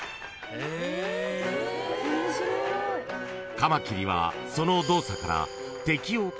［カマキリはその動作から］